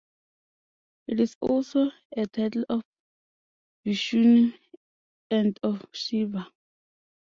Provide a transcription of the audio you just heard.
It is also a title of Vishnu and of Shiva.